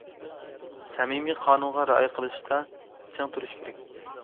سەمىمىي، قانۇنغا رىئايە قىلىشتا چىڭ تۇرۇش كېرەك.